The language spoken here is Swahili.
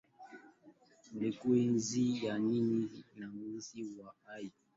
Molekuli hizi ni za kimsingi kwa uhai.